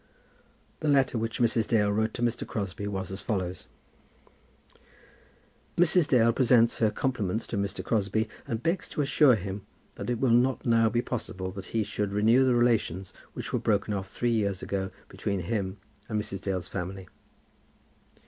The letter which Mrs. Dale wrote to Mr. Crosbie, was as follows: "Mrs. Dale presents her compliments to Mr. Crosbie, and begs to assure him that it will not now be possible that he should renew the relations which were broken off three years ago, between him and Mrs. Dale's family."